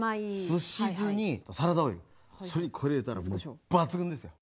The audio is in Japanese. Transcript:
すし酢にサラダ油それにこれ入れたらもう抜群ですよ！